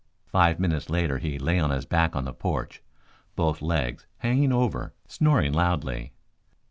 Five minutes later he lay on his back on the porch, both legs hanging over, snoring loudly.